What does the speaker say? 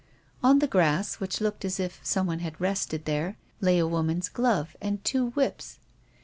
On the grass, which looked as if someone had rested there, lay a woman's glove and two whips.